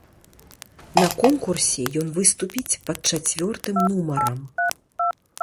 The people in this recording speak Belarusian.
На конкурсе ён выступіць пад чацвёртым нумарам.